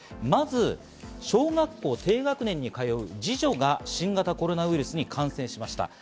まず小学校低学年に通う二女が新型コロナウイルスに感染しました。